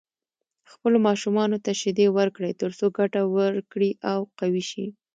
خپلو ماشومانو ته شيدې ورکړئ تر څو ګټه ورکړي او قوي شي.